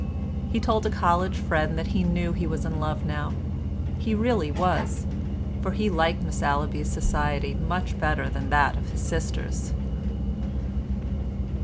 He told a college friend that he knew he was in love now; he really was, for he liked Miss Allaby's society much better than that of his sisters.